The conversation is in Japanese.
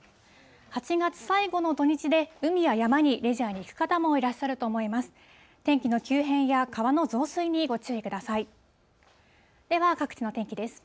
８月最後の土日で、海や山にレジャーに行く方もいらっしゃると思います。